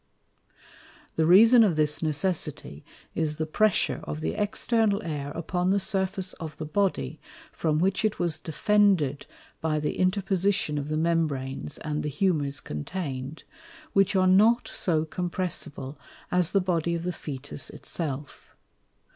The Reason of this Necessity is the pressure of the External Air upon the Surface of the Body, from which it was defended by the Interposition of the Membranes, and the Humours contain'd, which are not so compressible as the Body of the Fœtus it self.